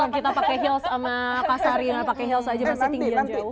kita pakai heels sama pasarinan pakai heels aja masih tinggi jauh